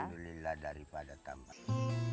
alhamdulillah daripada tambang